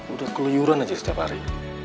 udah keluyuran aja setiap hari